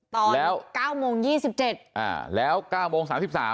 ตอน๙โมง๒๗แล้ว๙โมง๓๓